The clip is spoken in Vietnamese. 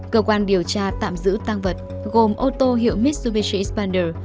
cơ quan điều tra tạm giữ tăng vật gồm ô tô hiệu mitsubishi xpander